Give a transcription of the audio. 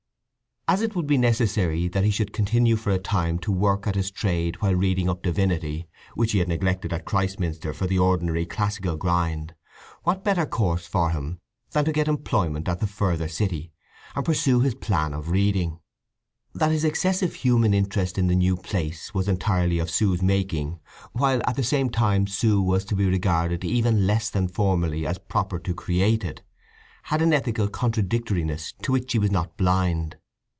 As it would be necessary that he should continue for a time to work at his trade while reading up Divinity, which he had neglected at Christminster for the ordinary classical grind, what better course for him than to get employment at the further city, and pursue this plan of reading? That his excessive human interest in the new place was entirely of Sue's making, while at the same time Sue was to be regarded even less than formerly as proper to create it, had an ethical contradictoriness to which he was not blind.